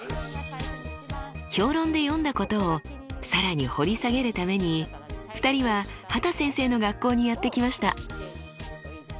評論で読んだことを更に掘り下げるために２人は畑先生の学校にやって来ました。